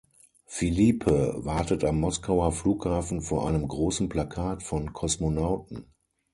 Phillippe wartet am Moskauer Flughafen vor einem großen Plakat von Kosmonauten.